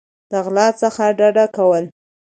د غلا څخه ډډه کول